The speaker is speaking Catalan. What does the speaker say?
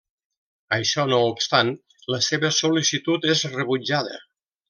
Això no obstant, la seva sol·licitud és rebutjada.